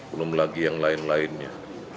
belum lagi yang lain lainnya